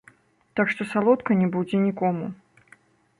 Так што салодка не будзе нікому.